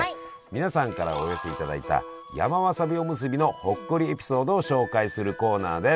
皆さんからお寄せいただいた山わさびおむすびのほっこりエピソードを紹介するコーナーです。